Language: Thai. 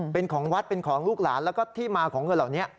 เป็นของวัดเป็นของลูกหลานแล้วก็ที่มาของเงินเหล่านี้